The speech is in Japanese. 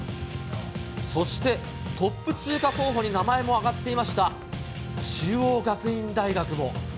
そして、トップ通過候補に名前も挙がっていました中央学院大学も。